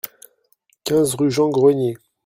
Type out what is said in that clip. quinze rue Jean Grenier